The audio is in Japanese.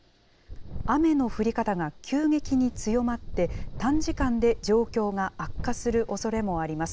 雨の降り方が急激に強まって、短時間で状況が悪化するおそれもあります。